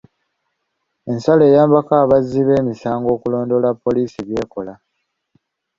Ensalo eyambako abazzi b'emisango okulondoola poliisi by'ekola.